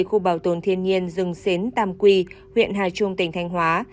khu bảo tồn thiên nhiên rừng xến tam quy huyện hà trung tỉnh thanh hóa